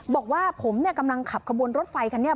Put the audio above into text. บอกว่าผมเนี่ยกำลังขับขบวนรถไฟคันนี้